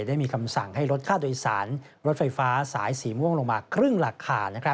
ได้มีคำสั่งให้ลดค่าโดยสารรถไฟฟ้าสายสีม่วงลงมาครึ่งราคา